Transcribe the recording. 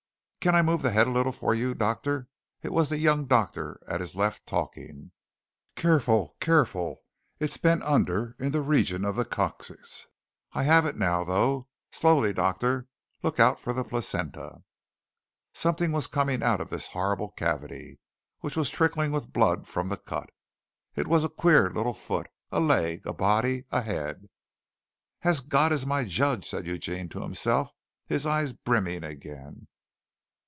"Can I move the head a little for you, doctor?" It was the young doctor at his left talking. "Careful! Careful! It's bent under in the region of the coccyx. I have it now, though. Slowly, doctor, look out for the placenta." Something was coming up out of this horrible cavity, which was trickling with blood from the cut. It was queer a little foot, a leg, a body, a head. "As God is my judge," said Eugene to himself, his eyes brimming again.